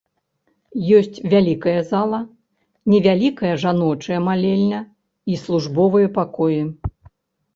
Ёсць вялікая зала, невялікая жаночая малельня і службовыя пакоі.